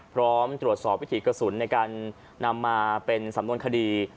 พร้อมตรวจสอบวิถีกระสุนในการนำมาเป็นสำนวนคดี